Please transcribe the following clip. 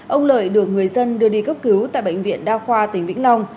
ông lợi được người dân đưa đi cấp cứu tại bệnh viện đa khoa tỉnh vĩnh long